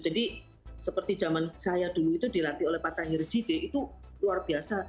jadi seperti zaman saya dulu itu dilatih oleh pak tahir jide itu luar biasa